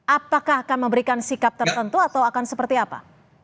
apakah akan memberikan sikap tertentu atau akan seperti apa